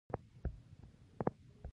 بوټونه د سړکونو خاورې نه ژغوري.